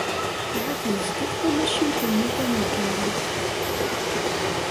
Ahat yezgel tamacint-nni taneggarut.